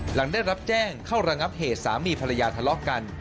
หลังได้รับแจ้งเข้าระงับเหตุสามีภรรยาทะเลาะกัน